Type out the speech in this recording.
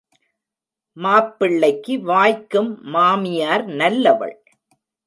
மாப்பிள்ளைக்கு வாய்க்கும் மாமியார் நல்லவள்!